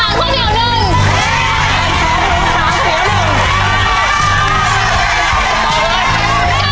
ใกล้สองหมูสามเขาเดี๋ยวหนึ่ง